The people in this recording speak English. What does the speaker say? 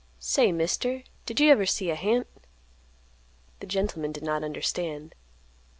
Say, Mister, did you ever see a hant?" The gentleman did not understand.